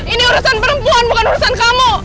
ini urusan perempuan bukan urusan kamu